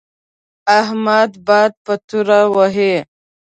احمد باد په توره وهي.